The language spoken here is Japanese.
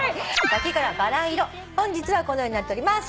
本日はこのようになっております。